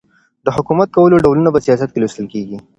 د حکومت کولو ډولونه په سیاست کي لوستل کیږي.